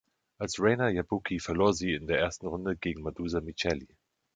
Als Reina Jabuki verlor sie in der ersten Runde gegen Madusa Miceli.